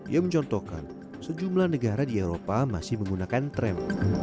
ia mencontohkan sejumlah negara di eropa masih menggunakan tram